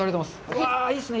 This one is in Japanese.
うわぁ、いいですね。